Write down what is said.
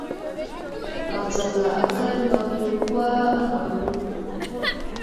Madzala akaɗ mbaŋ yo kwa anawo.